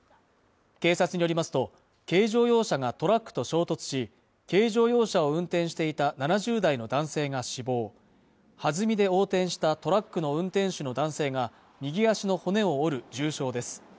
警察によりますと軽乗用車がトラックと衝突し軽乗用車を運転していた７０代の男性が死亡はずみで横転したトラックの運転手の男性が右足の骨を折る重傷です